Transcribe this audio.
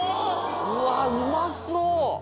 うわうまそう！